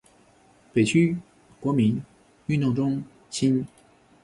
北区国民运动中心